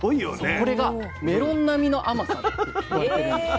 これがメロン並みの甘さと言われてるんです。